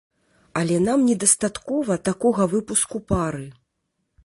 Але нам недастаткова такога выпуску пары!